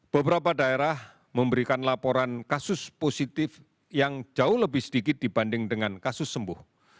beberapa daerah memberikan laporan kasus positif yang jauh lebih sedikit dibanding dengan kasus sembuh